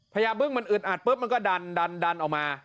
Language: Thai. ญาบึ้งมันอึดอัดปุ๊บมันก็ดันดันออกมา